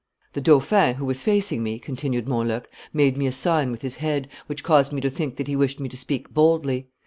The dauphin, who was facing me," continued Montluc, "made me a sign with his head, which caused me to think that he wished me to speak boldly.